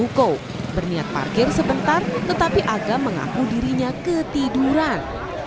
ruko berniat parkir sebentar tetapi agam mengaku dirinya ketiduran